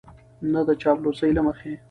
نه د چاپلوسۍ له مخې